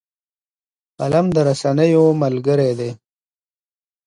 قلم د رسنیو ملګری دی